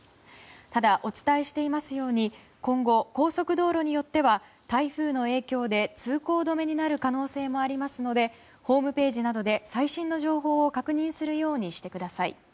ただ、お伝えしていますように今後、高速道路によっては台風の影響で通行止めになる可能性もありますのでホームページなどで最新の情報を確認するようにしてください。